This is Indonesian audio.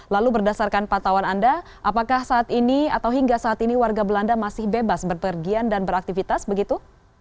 lalu berdasarkan pantauan anda apakah saat ini atau hingga saat ini warga belanda masih bebas berpergian dan beraktivitas begitu